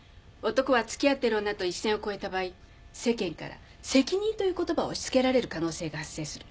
男は付き合ってる女と一線を越えた場合世間から「責任」という言葉を押し付けられる可能性が発生する。